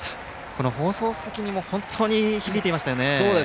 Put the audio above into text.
この放送席にも響いてましたよね。